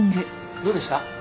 どうでした？